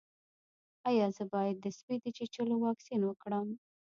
ایا زه باید د سپي د چیچلو واکسین وکړم؟